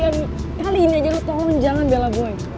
please kali ini aja lo tolong jangan bela boy